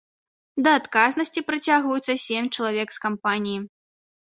Да адказнасці прыцягваюцца сем чалавек з кампаніі.